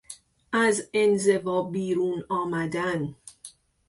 از انزوا بیرون آمدن